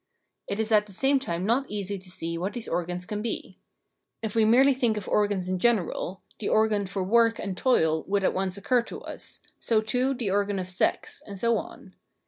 It is at the same time not easy to see what these organs can be. If we merely think of organs in general, the organ for work and toil would at once occur to us, so, too, the organ of sex, and so on.